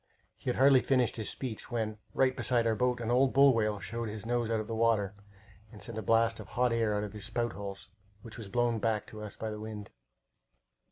He had hardly finished his speech when, right beside our boat, an old bull whale showed his nose out of the water and sent a blast of hot air out of his spout holes, which was blown back to us by the wind.